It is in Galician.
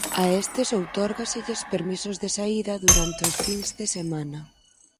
A estes outórgaselles permisos de saída durante os fins de semana.